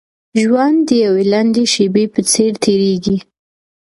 ژوند د يوې لنډې شېبې په څېر تېرېږي.